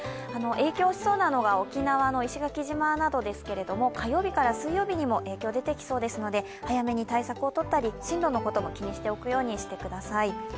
影響しそうなのが沖縄の石垣島などですけれども、火曜日から水曜日にも影響出てきそうですので早めに対策をとったり進路のことも気にしておくようにしてください。